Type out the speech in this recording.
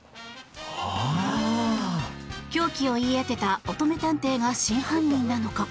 凶器を言い当てた乙女探偵が真犯人なのか？